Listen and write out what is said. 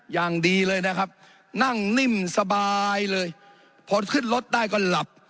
อย่างดีเลยนะครับนั่งนิ่มสบายเลยพอขึ้นรถได้ก็หลับ